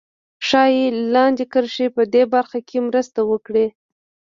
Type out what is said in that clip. ښایي لاندې کرښې په دې برخه کې مرسته وکړي